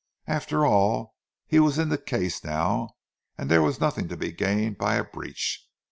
After all, he was in the case now, and there was nothing to be gained by a breach.